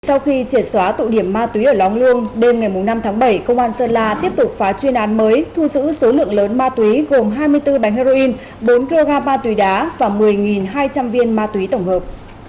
sau khi triệt xóa tụ điểm ma túy ở lóng luông đêm ngày năm tháng bảy công an sơn la tiếp tục phá chuyên án mới thu giữ số lượng lớn ma túy gồm hai mươi bốn bánh heroin bốn kg ma túy đá và một mươi hai trăm linh viên ma túy tổng hợp